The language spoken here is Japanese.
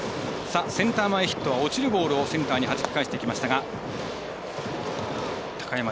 センター前ヒットは落ちるボールをセンターにはじきかえしていきました、高山。